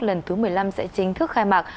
lần thứ một mươi năm sẽ chính thức khai mạc